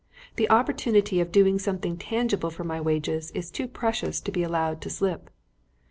The opportunity of doing something tangible for my wage is too precious to be allowed to slip."